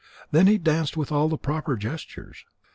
Then he danced with all the proper gestures.